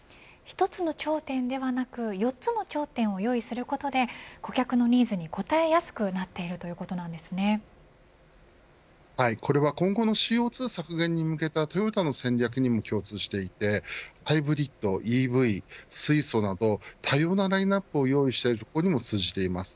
１つの頂点ではなく、４つの頂点を用意することで顧客のニーズに応えやすくなっているこれは今後のＣＯ２削減に向けたトヨタの戦略にも共通していてハイブリッド、ＥＶ水素など多様なラインアップを用意しているところにも通じています。